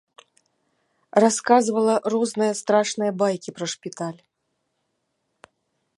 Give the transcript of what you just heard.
Расказвала розныя страшныя байкі пра шпіталь.